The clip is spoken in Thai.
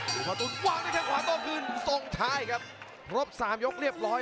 หรือหมาตุ๊นวางด้วยให้ขวาตั่วคืน